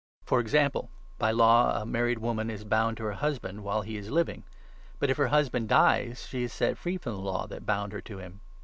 For example, by law a married woman is bound to her 2 380 ROMANS, 7. husband while he is living ; but, if her husband dies, she is set free from the law that bound her to him.